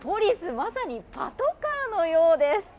まさにパトカーのようです。